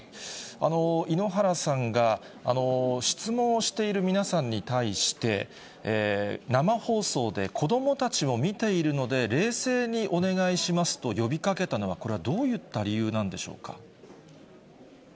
井ノ原さんが質問をしている皆さんに対して、生放送で子どもたちも見ているので、冷静にお願いしますと呼びかけたのは、これはどういった理由なんでしょうか。